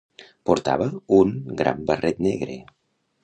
Portava un gran barret negre!